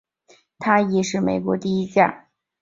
它亦是美国第一架装设弹射椅的战机。